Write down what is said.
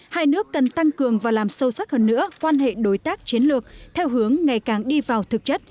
hai nước cần tăng cường và làm sâu sắc hơn nữa quan hệ đối tác chiến lược theo hướng ngày càng đi vào thực chất